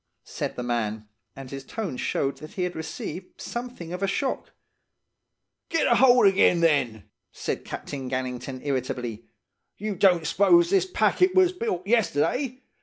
said the man, and his tone showed that he had received something of a shock. "'Get a hold again, then!' said Captain Gannington irritably. 'You don't s'pose this packet was built yesterday!